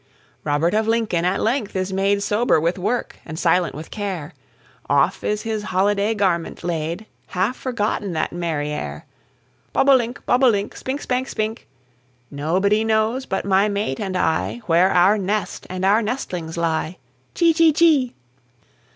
Robert of Lincoln at length is made Sober with work, and silent with care, Off is his holiday garment laid, Half forgotten that merry air, Bob o' link, bob o' link, Spink, spank, spink, Nobody knows but my mate and I, Where our nest and our nestlings lie. Chee, chee, chee.